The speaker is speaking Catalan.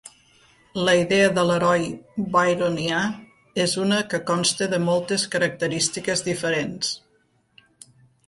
La idea de l'heroi byronià és una que consta de moltes característiques diferents.